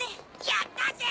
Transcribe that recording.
やったぜ！